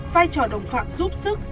vai trò đồng phạm giúp sức